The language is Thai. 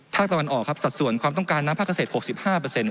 ภาคตะวันออกครับสัดส่วนความต้องการน้ำภาคเกษตร๖๕